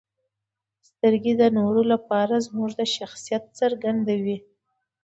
• سترګې د نورو لپاره زموږ د شخصیت څرګندوي.